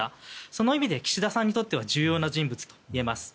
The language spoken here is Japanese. その意味で、岸田さんにとって重要な人物といえます。